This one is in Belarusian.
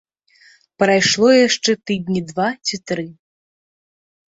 Прайшло яшчэ тыдні два ці тры.